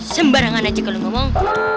sembarangan aja kalau ngomong